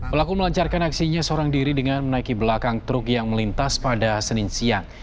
pelaku melancarkan aksinya seorang diri dengan menaiki belakang truk yang melintas pada senin siang